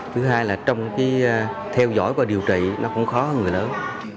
thứ hai là trong theo dõi và điều trị nó cũng khó hơn người lớn